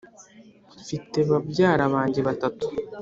mfite babyara banjye batatu